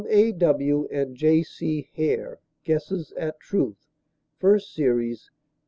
A. W. AND J. C. HARE Guesses at Truth first series, p.